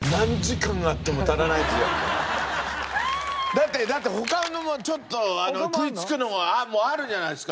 だってだって他のもちょっと食いつくのがあるじゃないですか。